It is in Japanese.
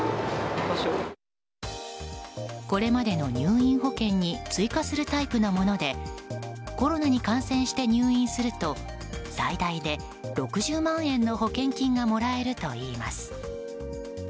これまでの入院保険に追加するタイプのものでコロナに感染して入院すると最大で６０万円の保険金がもらえるといいます。